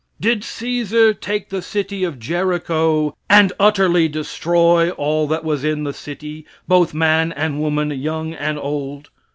Did Caesar take the city of Jericho "and utterly destroy all that was in the city, both man and woman, young and old?"